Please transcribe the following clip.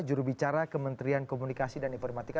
jurubicara kementerian komunikasi dan informatika